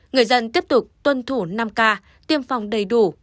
người dân tiếp tục tuân thủ năm k tiêm phòng đầy đủ